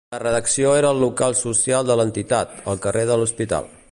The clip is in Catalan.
La redacció era al local social de l'entitat, al carrer de l'Hospital.